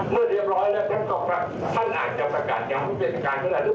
เมื่อเรียบร้อยแล้วก็ท่านอาจจะบังกัดยังไม่เป็นจังการนึกได้